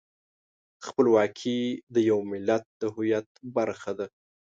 خپلواکي د یو ملت د هویت برخه ده.